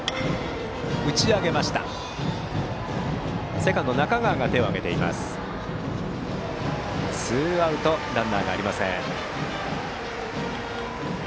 セカンド、中川がとってツーアウト、ランナーありません。